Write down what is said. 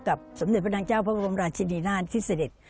กับสวัสดิ์ประดังเจ้าพระพรมราชินินาที่เสด็จ